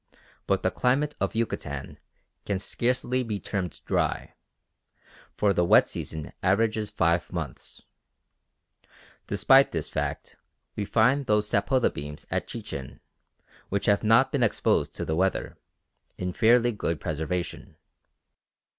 But the climate of Yucatan can scarcely be termed dry; for the wet season averages five months. Despite this fact we find those sapota beams at Chichen, which have not been exposed to the weather, in fairly good preservation.